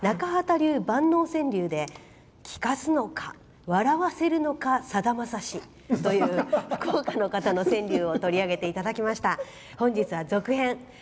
しばらく前に仲畑流万能川柳で聞かすのか笑わせるのかさだまさしという福岡の方の川柳を取り上げていただきました。